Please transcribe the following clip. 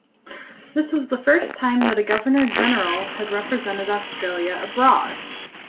This was the first time that a Governor-General had represented Australia abroad.